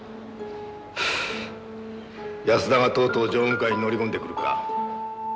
安田がとうとう常務会に乗り込んでくるか。